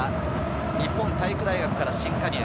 日本体育大学から新加入。